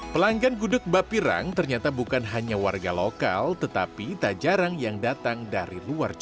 pelanggan gudeg bapirang ternyata bukan hanya warga lokal tetapi tak jarang yang datang dari luar jawa